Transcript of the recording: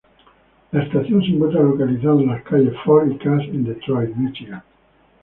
La estación se encuentra localizada en las calles Fort y Cass en Detroit, Míchigan.